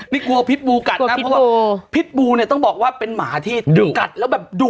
นี่กลัวพิษบูกัดนะเพราะว่าพิษบูเนี่ยต้องบอกว่าเป็นหมาที่ดุกัดแล้วแบบดุ